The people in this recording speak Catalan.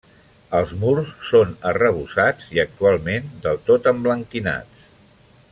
Els murs són arrebossats i actualment del tot emblanquinats.